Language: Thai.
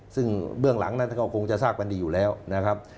ซึ่งเบื้องหลังนั้นก็คงจะทราบกันดีอยู่แล้วนะครับ